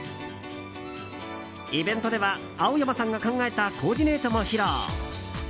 イベントでは、青山さんが考えたコーディネートも披露。